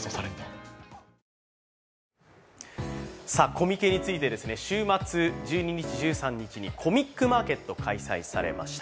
コミケについて週末１２日、１３日にコミックマーケット開催されました。